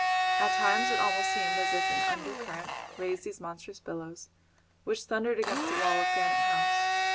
At times it almost seemed as if an under current raised these monstrous billows which thundered against the wall of Granite House.